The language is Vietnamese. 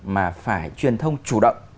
mà phải truyền thông chủ động